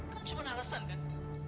kamu cuma alasan kan